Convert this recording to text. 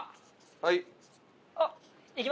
はい。